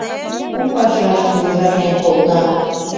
У пашашке ужатен колта.